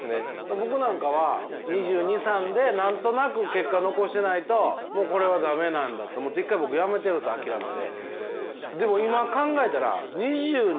僕なんかは２２２３で何となく結果残してないともうこれは駄目なんだと思って一回僕辞めてるんです諦めて。